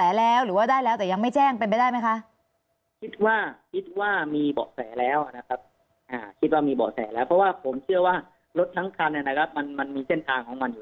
อังมันไม่ใช่ว่าพะยานจากกล้องจอสิตอย่างเดียวนะครับ